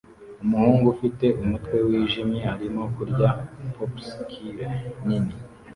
Umuhungu ufite umutwe wijimye arimo kurya Popsicle nini